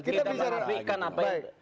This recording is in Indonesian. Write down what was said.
kita mengaplikan apa itu